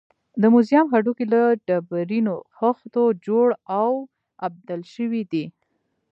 د موزیم هډوکي له ډبرینو خښتو جوړ او اوبدل شوي دي.